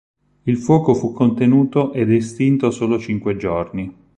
Il fuoco fu contenuto ed estinto solo cinque giorni.